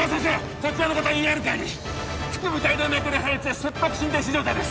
こちらの方ＥＲカーに腹部大動脈瘤破裂で切迫心停止状態です